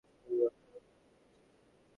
তিনি যক্ষ্মা রোগে আক্রান্ত ছিলেন।